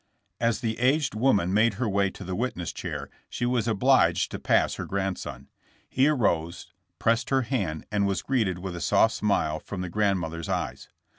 As the aged woman made her way to the wit ness chair she was obliged to pass her grandson. He arose, pressed her hand, and was greeted with a soft smile from the grandmother's eyes.